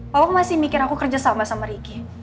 pak masih mikir aku kerja sama sama riki